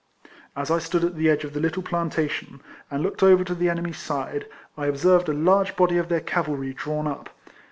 As I stood at the edge of the little planta tion, and looked over to the enemy's side, I ob served a large body of their cavalry drawn up.